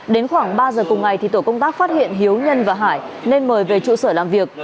đến khoảng ba giờ cùng ngày tổ công tác phát hiện hiếu nhân và hải nên mời về trụ sở làm việc